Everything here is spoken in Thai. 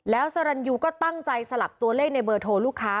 แล้วสรรยูก็ตั้งใจสลับตัวเลขในเบอร์โทรลูกค้า